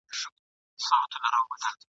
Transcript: چي هم نن په وینو لژند هم سبا په وینو سور دی !.